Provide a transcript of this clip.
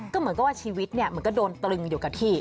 ก็เหมือนกับว่าชีวิตเนี่ยมันก็โดนตรึงอยู่กับที่